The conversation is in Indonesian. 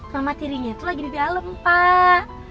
mama tirinya itu lagi di dalem pak